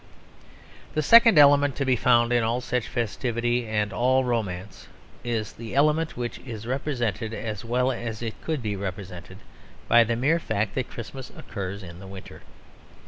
The second element to be found in all such festivity and all such romance is the element which is represented as well as it could be represented by the mere fact that Christmas occurs in the winter.